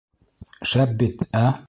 Шәп бит, ә?